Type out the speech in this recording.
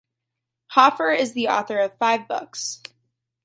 Hoffer is the author of five books.